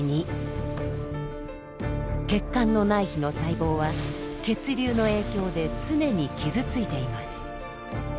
血管の内皮の細胞は血流の影響で常に傷ついています。